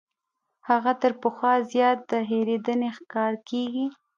هغه تر پخوا زیات د هېرېدنې ښکار کیږي.